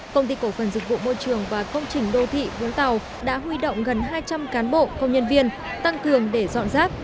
công ty cổ phần dịch vụ môi trường và công trình đô thị vũng tàu đã huy động gần hai trăm linh cán bộ công nhân viên tăng cường để dọn rác